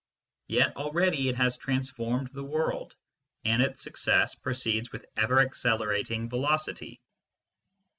Yet already it has transformed the world, and its success proceeds with ever accelerating velocity.